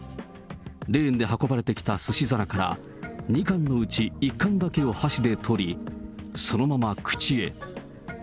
レーンで運ばれてきたすし皿から、２カンのうち１カンだけを箸で取り、そのまま口へ。